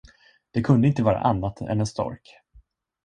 Det kunde inte vara annat än en stork.